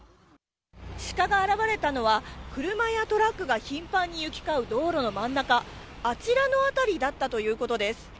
シカが現れたのは、車やトラックが頻繁に行き交う道路の真ん中、あちらの辺りだったということです。